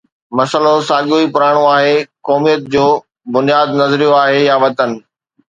مسئلو ساڳيو ئي پراڻو آهي: قوميت جو بنياد نظريو آهي يا وطن؟